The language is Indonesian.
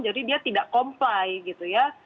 jadi dia tidak comply gitu ya